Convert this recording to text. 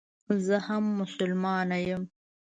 زه هم مسلمانه یم.